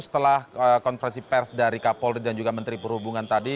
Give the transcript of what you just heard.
setelah konferensi pers dari kapolri dan juga menteri perhubungan tadi